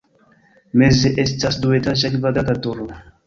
Meze estas duetaĝa kvadrata turo.